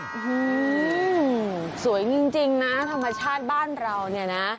อืมสวยจริงนะธรรมชาติบ้านเราเนี่ยนะ